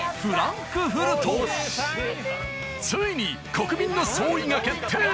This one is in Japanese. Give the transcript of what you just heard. ついに国民の総意が決定